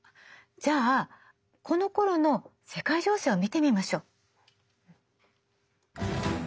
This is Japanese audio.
じゃあこのころの世界情勢を見てみましょう。